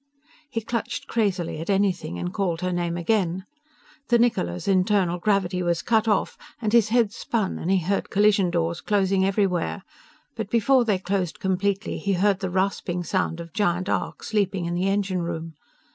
He clutched crazily at anything, and called her name again. The Niccola's internal gravity was cut off, and his head spun, and he heard collision doors closing everywhere, but before they closed completely he heard the rasping sound of giant arcs leaping in the engine room.